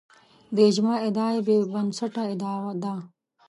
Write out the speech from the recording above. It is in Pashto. د اجماع ادعا بې بنسټه ادعا ده